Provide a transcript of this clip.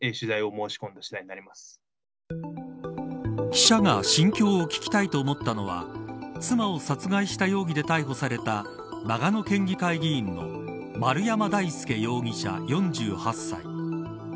記者が心境を聞きたいと思ったのは妻を殺害した容疑で逮捕された長野県議会議員の丸山大輔容疑者、４８歳。